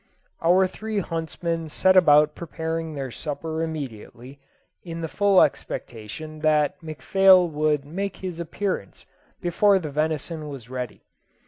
Our three huntsmen set about preparing their supper immediately, in the full expectation that McPhail would make his appearance before the venison was ready.